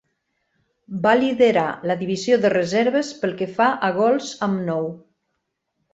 Va liderar la divisió de reserves pel que fa a gols amb nou.